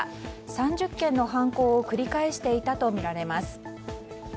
３０件の犯行を繰り返していたとみられています。